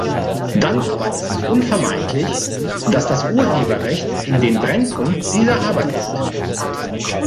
Dann aber ist es unvermeidlich, dass das Urheberrecht in den Brennpunkt dieser Arbeit rückt.